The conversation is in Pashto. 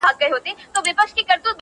o زوکام يم.